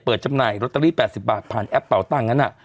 เปิดจำหน่ายรอเตอรี่๘๐บาทผ่านแอปเผาตังค์